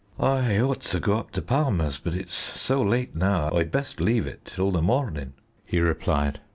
"I ought to go up to Palmer's, but it's so late now I'd best leave it till the morning," he replied.